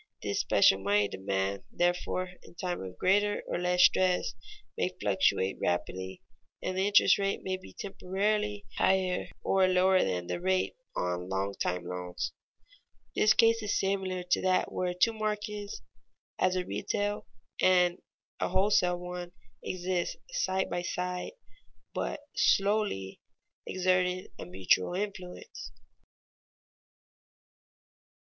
This special money demand, therefore, in time of greater or less stress, may fluctuate rapidly, and the interest rate be temporarily higher or lower than the rate on long time loans. This case is similar to that where two markets, as a retail and a wholesale one, exist side by side, but slowly exerting a mutual influence.